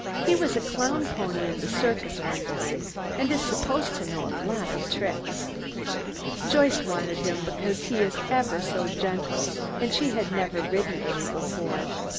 He was a clown pony in a circus one time, and is supposed to know a lot of tricks. Joyce wanted him because he is so gentle, and she had never ridden any before.